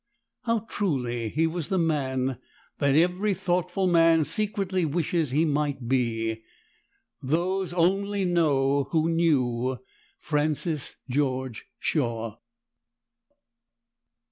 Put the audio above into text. How truly he was the man that every thoughtful man secretly wishes he might be, those only know who knew Francis George Shaw.